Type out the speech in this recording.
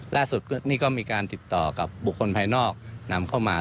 ล่าสุดนี่ก็มีการติดต่อกับบุคคลภายนอกนำเข้ามา